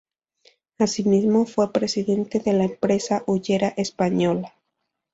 Así mismo fue presidente de la empresa Hullera Española.